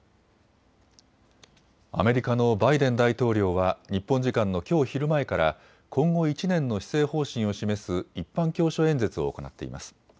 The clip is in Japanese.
アメリカのバイデン大統領は日本時間のきょう昼前から今後１年の施政方針を示す一般教書演説を行っています。